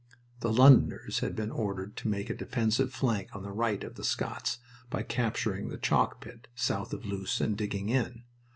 The Londoners had been ordered to make a defensive flank on the right of the Scots by capturing the chalk pit south of Loos and digging in.